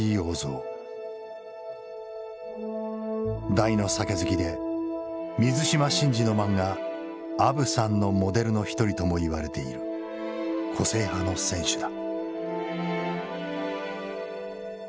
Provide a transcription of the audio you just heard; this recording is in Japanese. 大の酒好きで水島新司の漫画「あぶさん」のモデルの一人とも言われている個性派の選手だ。